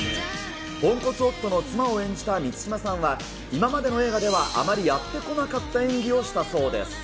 ポンコツ夫の妻を演じた満島さんは、今までの映画ではあまりやってこなかった演技をしたそうです。